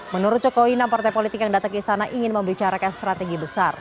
menurut jokowi enam partai politik yang datang ke sana ingin membicarakan strategi besar